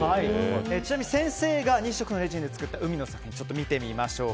ちなみに先生が２色のレジンで作った海の作品見てみましょう。